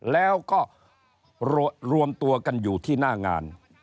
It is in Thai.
แล้วก็รวมตัวกันอยู่ที่หน้างาน